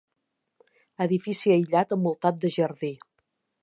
Edifici aïllat envoltat de jardí.